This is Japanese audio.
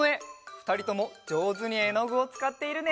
ふたりともじょうずにえのぐをつかっているね。